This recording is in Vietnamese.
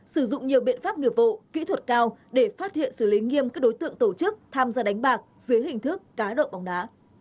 sử dụng nhiều biện pháp nghiệp vụ kỹ thuật cao để phát hiện xử lý nghiêm các đối tượng tổ chức tham gia đánh bạc dưới hình thức cá độ bóng đá